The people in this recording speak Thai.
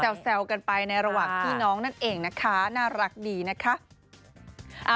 แซวกันไปในระหว่างพี่น้องนั่นเองนะคะน่ารักดีนะคะ